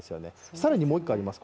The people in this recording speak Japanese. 更にもう一個あります。